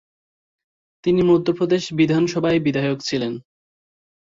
তিনি মধ্য প্রদেশ বিধানসভায় বিধায়ক ছিলেন।